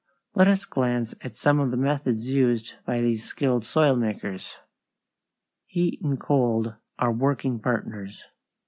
Let us glance at some of the methods used by these skilled soil makers. Heat and cold are working partners.